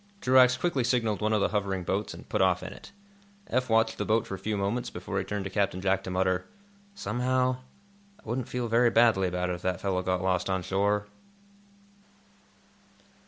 Truax quickly signaled one of the hovering boats, and put off in it. Eph watched the boat for a few moments before he turned to Captain Jack to mutter: "Somehow, I wouldn't feel very badly about it if that fellow got lost on shore!"